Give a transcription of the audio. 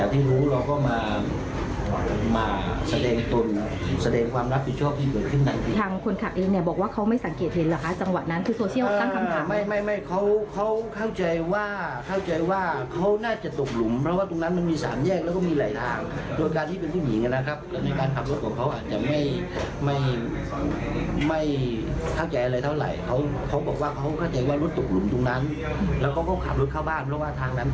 ทางคนขักเองบอกว่าเขาไม่สังเกตเห็นเหรอคะจังหวะนั้นคือโซเชียลตั้งคำถาม